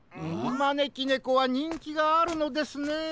まねきねこはにんきがあるのですね。